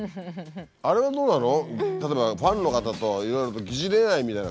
あれはどうなの？